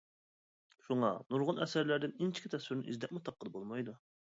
شۇڭا نۇرغۇن ئەسەرلەردىن ئىنچىكە تەسۋىرنى ئىزدەپمۇ تاپقىلى بولمايدۇ.